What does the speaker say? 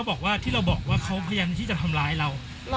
อะไรที่อยู่ด้านหลังเขาพยายามจะทำร้ายเรา